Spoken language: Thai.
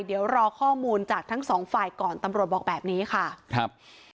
เดี๋ยวรอข้อมูลจากทั้งสองฝ่ายก่อนตำรวจบอกแบบนี้ค่ะครับ